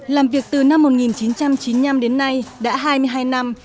làm việc từ năm một nghìn chín trăm chín mươi năm đến nay đã hai mươi hai năm